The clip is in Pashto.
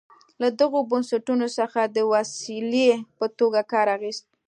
له دغو بنسټونو څخه د وسیلې په توګه کار اخیست.